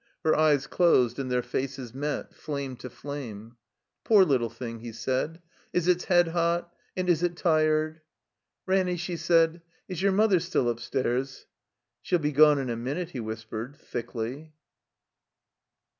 Her eyes closed and their faces met, flame to flame. "Poor little thing," he said. "Is its head>ot? And is it tired?" "Ranny," she said, "is your mother still up stairs?" "She'll be gone in a minute," he whispered, thickly.